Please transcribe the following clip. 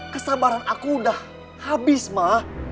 kesabaran aku udah habis mah